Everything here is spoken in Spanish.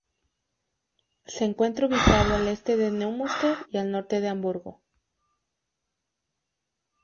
Se encuentra ubicado al este de Neumünster y al norte de Hamburgo.